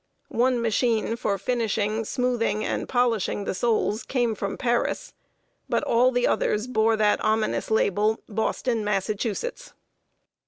One machine for finishing, smoothing, and polishing the soles came from Paris; but all the others bore that ominous label, "Boston, Massachusetts!"